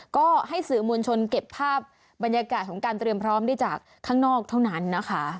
ก็ให้สื่อมวลชนเก็บภาพบรรยากาศของการเตรียมพร้อมได้จากข้างนอกเท่านั้นนะคะ